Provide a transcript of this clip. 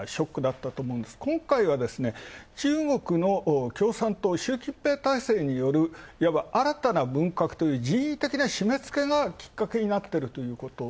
今回は中国の共産党、習近平体制による、新たな文革という人為的なしめつけがきっかけになってるということ。